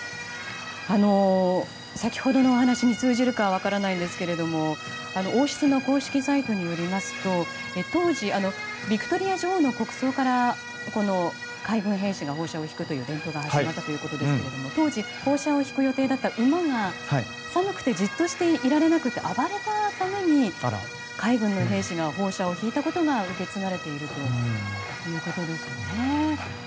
先ほどのお話に通じるかは分からないですけども王室の公式サイトによりますと当時、ヴィクトリア女王の国葬から海軍兵士が砲車を引くという伝統が始まったということですが当時、砲車を引く予定だった馬が寒くてじっとしていられなくて暴れたために海軍の兵士が砲車を引いたことが受け継がれているということですね。